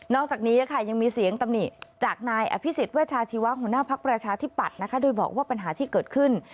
อกจากนี้ยังมีเสียงตำหนิจากนายอภิษฎเวชาชีวะหัวหน้าภักดิ์ประชาธิปัตย์นะคะโดยบอกว่าปัญหาที่เกิดขึ้น